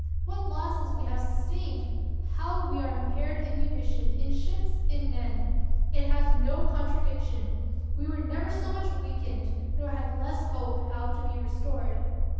What losses we have sustained ! How we are impaired in munition, in ships, in men ! It has no contradiction ! We were never so much weakened, nor had less hope how to be restored